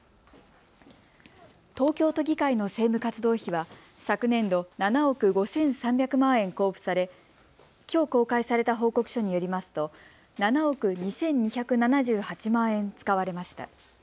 東京都議会の政務活動費は昨年度７億５３００万円交付されきょう公開された報告書によりますと７億２２７８万円使われました。